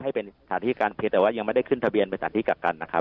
ให้เป็นสถานที่การเพียงแต่ว่ายังไม่ได้ขึ้นทะเบียนเป็นสถานที่กักกันนะครับ